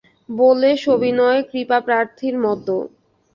বলে সবিনয়ে কৃপাপ্রার্থীর মতো।